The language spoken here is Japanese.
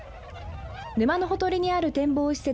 沼のほとりにある展望施設